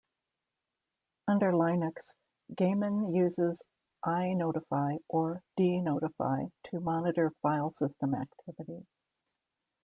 Under Linux, Gamin uses inotify or dnotify to monitor filesystem activity.